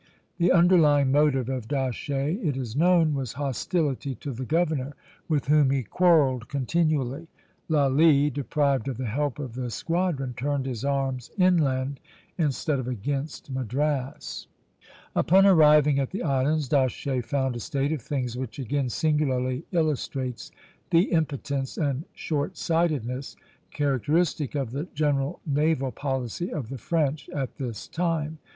The underlying motive of D'Aché, it is known, was hostility to the governor, with whom he quarrelled continually. Lally, deprived of the help of the squadron, turned his arms inland instead of against Madras. Upon arriving at the islands, D'Aché found a state of things which again singularly illustrates the impotence and short sightedness characteristic of the general naval policy of the French at this time.